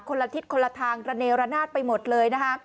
ละทิศคนละทางระเนระนาดไปหมดเลยนะคะ